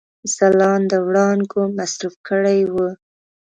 ځلانده وړانګو مصروف کړي وه.